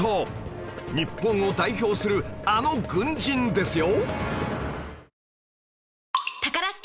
日本を代表するあの軍人ですよ